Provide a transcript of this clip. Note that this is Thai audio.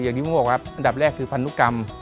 อย่างที่ผมบอกว่าอันดับแรกคือพันธุกรรม